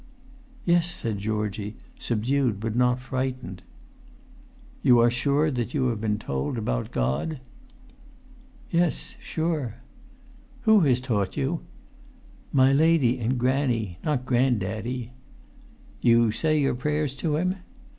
"Yes," said Georgie, subdued but not frightened. "You are sure that you have been told about God?" "Yes, sure." "Who has taught you?" "My lady and granny—not grand daddy." "You say your prayers to Him?"